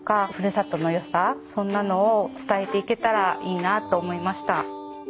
そんなのを伝えていけたらいいなと思いました。